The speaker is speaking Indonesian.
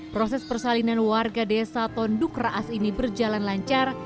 proses persalinan warga desa tonduk raas ini berjalan lancar